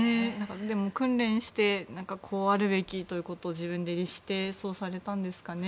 でも、訓練してこうあるべきということを自分で律してそうされたんですかね。